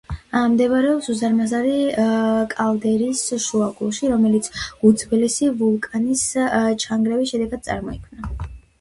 მდებარეობს უზარმაზარი კალდერის შუაგულში, რომელიც უძველესი ვულკანის ჩანგრევის შედეგად წარმოიქმნა.